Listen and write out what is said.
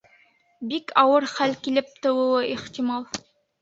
Бик ауыр хәл килеп тыуыуы ихтимал.